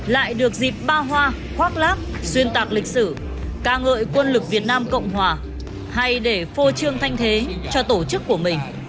lại được dịp ba hoa khoác lác xuyên tạc lịch sử ca ngợi quân lực việt nam cộng hòa hay để phô trương thanh thế cho tổ chức của mình